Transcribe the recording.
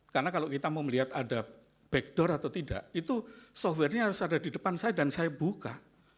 karena kalau kita mau melihat ada backdoor atau tidak itu software nya harus ada di depan saya dan saya buka